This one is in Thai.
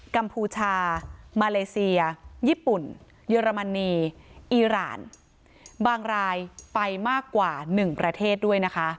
กัมพูชามาเลเซียญี่ปุ่นเยอรมนีอีรานบางรายไปมากกว่าหนึ่งประเทศด้วยนะคะ